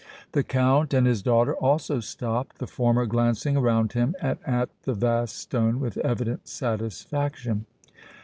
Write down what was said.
The Count and his daughter also stopped, the former glancing around him and at the vast stone with evident satisfaction.